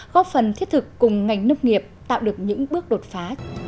góp phần thiết thực cùng ngành nông nghiệp tạo được những bước đột phá